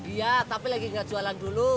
iya tapi lagi nggak jualan dulu